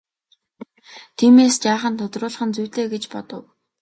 Тиймээс жаахан тодруулах нь зүйтэй гэж бодов.